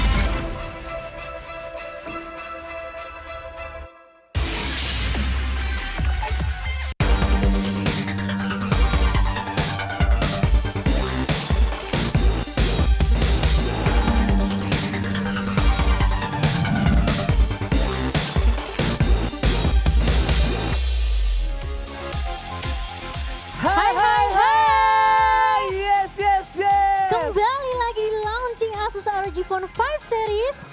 kembali lagi launching asus rog phone lima series